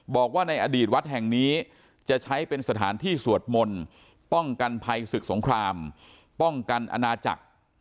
บอกว่าในอดีตวัดแห่งนี้จะใช้เป็นสถานที่สวดมนต์ป้องกันภัยศึกสงครามป้องกันอาณาจักร